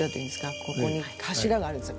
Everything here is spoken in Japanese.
ここに柱があるんですよ。